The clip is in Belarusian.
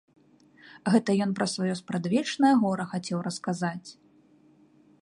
Гэта ён пра сваё спрадвечнае гора хацеў расказаць.